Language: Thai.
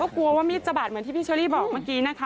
กลัวว่ามีดจะบาดเหมือนที่พี่เชอรี่บอกเมื่อกี้นะคะ